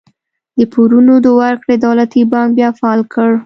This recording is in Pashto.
د پورونو د ورکړې دولتي بانک بیا فعال کړ.